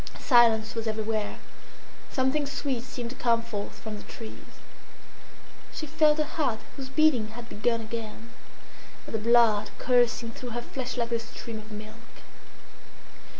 Silence was everywhere; something sweet seemed to come forth from the trees; she felt her heart, whose beating had begun again, and the blood coursing through her flesh like a stream of milk.